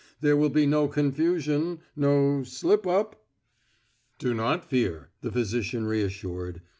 There will be no confusion no slip up?" "Do not fear," the physician reassured.